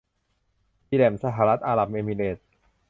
ดีแรห์มสหรัฐอาหรับเอมิเรตส์